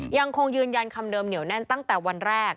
ยังคงยืนยันคำเดิมเหนียวแน่นตั้งแต่วันแรก